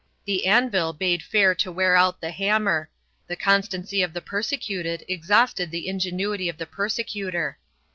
The anvil bade fair to wear out the hammer — the constancy of the persecuted exhausted the ingenuity of the persecutor.